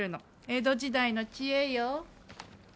江戸時代の知恵よ。